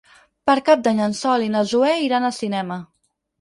Per Cap d'Any en Sol i na Zoè iran al cinema.